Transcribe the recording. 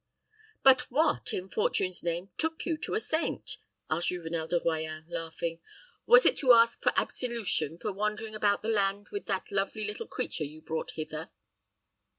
"But what, in Fortune's name, took you to a saint?" asked Juvenel de Royans, laughing "Was it to ask for absolution for wandering about the land with that lovely little creature you brought hither?"